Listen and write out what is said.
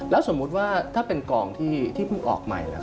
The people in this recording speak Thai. สมมุติว่าถ้าเป็นกองที่เพิ่งออกใหม่